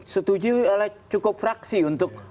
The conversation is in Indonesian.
setuju oleh cukup fraksi untuk